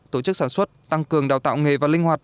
tổ chức sản xuất tăng cường đào tạo nghề và linh hoạt